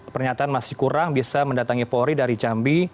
pernyataan masih kurang bisa mendatangi polri dari jambi